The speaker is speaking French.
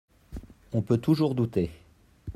On peut toujours douter.